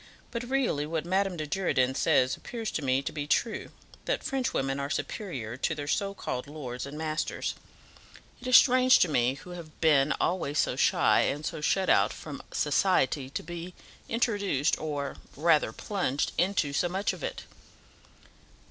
But really what Madame de Girardin says appears to me to be true, that French women are superior to their so called lords and masters. It is strange to me, who have been always so shy, and so shut out from society, to be introduced or rather plunged into so much of it."